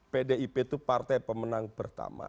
pdip itu partai pemenang pertama